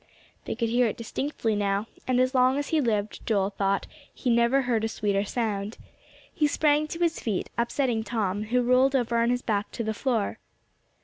They could hear it distinctly now, and as long as he lived, Joel thought, he never heard a sweeter sound. He sprang to his feet, upsetting Tom, who rolled over on his back to the floor.